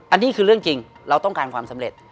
อันนี้คือเรื่องจริงเราต้องการความสำเร็จ